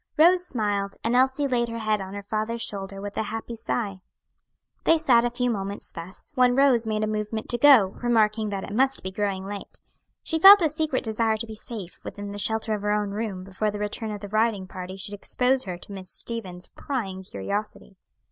Rose smiled, and Elsie laid her head on her father's shoulder with a happy sigh. They sat a few moments thus, when Rose made a movement to go, remarking that it must be growing late. She felt a secret desire to be safe within the shelter of her own room before the return of the riding party should expose her to Miss Stevens' prying curiosity.